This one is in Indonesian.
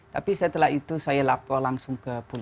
tapi setelah itu saya lapor langsung ke polisi